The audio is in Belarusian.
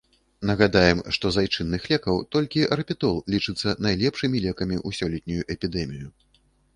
Нагадаем, што з айчынных лекаў толькі арпетол лічыцца найлепшымі лекамі ў сёлетнюю эпідэмію.